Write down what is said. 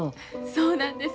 そうなんです。